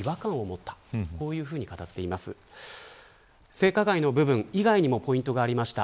性加害の部分以外にもポイントがありました。